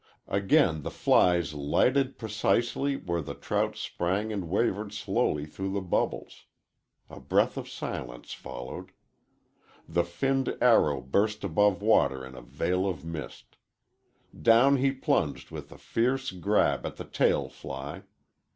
Again the flies lighted precisely where the trout sprang and wavered slowly through the bubbles. A breath of silence followed. The finned arrow burst above water in a veil of mist; down he plunged with a fierce grab at the tail fly.